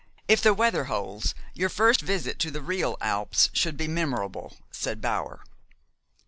If the weather holds, your first visit to the real Alps should be memorable," said Bower.